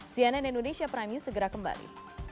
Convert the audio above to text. cnn indonesia prime news segera kembali